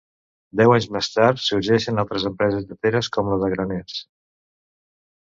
Deu anys més tard, sorgeixen altres empreses lleteres, com la de Graners.